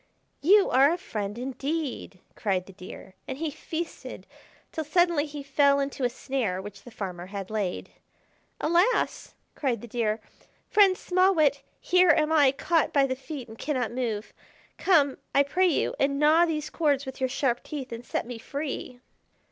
"You are a friend indeed!" cried the Deer, and he feasted till suddenly he fell into a snare which the farmer had laid. "Alas!" cried the Deer, "Friend Small Wit, here am I caught by the feet, and cannot move. Come, I pray you, and gnaw these cords with your sharp teeth and set me free!"